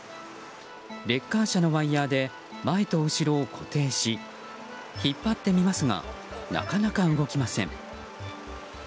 レッカー車のワイヤで前と後ろを固定し引っ張ってみますがなかなか動きません。